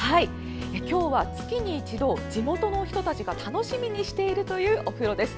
今日は月に一度地元の人たちが楽しみにしているというお風呂です。